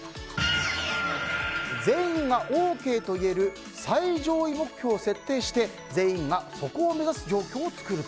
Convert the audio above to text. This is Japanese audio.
全員がＯＫと言える最上位目標を設定して全員がそこを目指す状況を作ると。